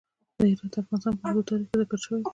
هرات د افغانستان په اوږده تاریخ کې ذکر شوی دی.